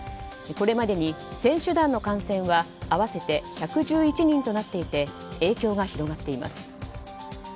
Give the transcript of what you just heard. これまでに選手団の感染は合わせて１１１人となっていて影響が広がっています。